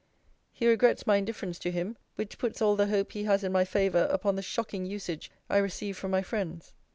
'He regrets my indifference to him; which puts all the hope he has in my favour upon the shocking usage I receive from my friends.